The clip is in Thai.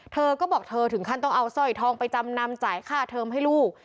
เธอก็บอกเธอถึงขั้นต้องเอาสร้อยทองไปจำนำจ่ายค่าเทอมให้ลูก